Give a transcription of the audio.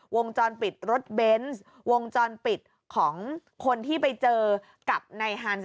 วงจรปิดรถเบนส์วงจรปิดของคนที่ไปเจอกับนายฮันส์